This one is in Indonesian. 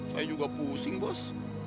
saya juga pusing bos